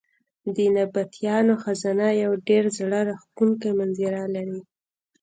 د نبطیانو خزانه یو ډېر زړه راښکونکی منظر لري.